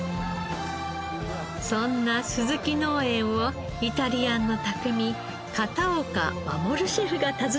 そんな鈴木農園をイタリアンの匠片岡護シェフが訪ねて来ました。